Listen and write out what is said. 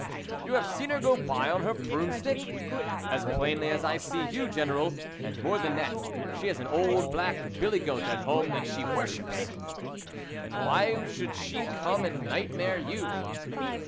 " You have seen her go by on her broomstick ?"" As plainly as I see you, General ; and more than that, she has an old black billy goat at home that she worships." " And why should she come and night mare you